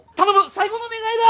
最期の願いだ！